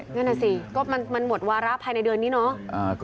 นั่นน่ะสิก็มันหมดวาระภายในเดือนนี้เนาะ